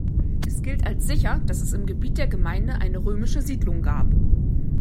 Es gilt als sicher, dass es im Gebiet der Gemeinde eine römische Siedlung gab.